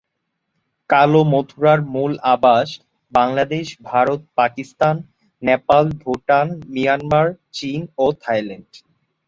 কালো মথুরার মূল আবাস বাংলাদেশ, ভারত, পাকিস্তান, নেপাল, ভুটান, মিয়ানমার, চীন এবং থাইল্যান্ড।